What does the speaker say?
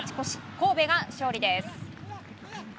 神戸が勝利です。